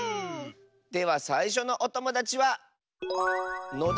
ではさいしょのおともだちは。